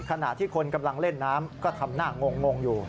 ขณะที่คนกำลังเล่นน้ำก็ทำหน้างงอยู่